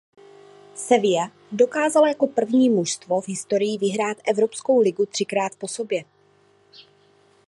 Sevilla dokázala jako první mužstvo v historii vyhrát Evropskou ligu třikrát po sobě.